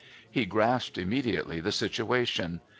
He grasped immediately the situation.